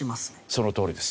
そのとおりです。